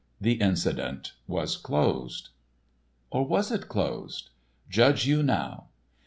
The incident was closed. Or was it closed? Judge you now.